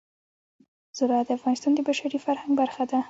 زراعت د افغانستان د بشري فرهنګ برخه ده.